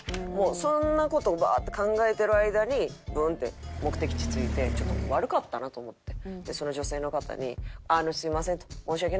そんな事バーッて考えてる間にブーンって目的地着いてちょっと悪かったなと思ってその女性の方に「すみません」と。